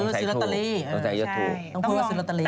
ต้องแต่ยอดถูกต้องแต่ยอดถูกต้องพูดว่าซีลอตตาลีต้องพูดว่าซีลอตตาลี